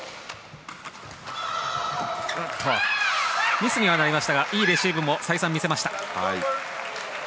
ミスにはなりましたがいいレシーブも再三見せました。